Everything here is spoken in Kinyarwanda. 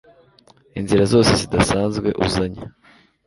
inzira zose zidasanzwe uzanye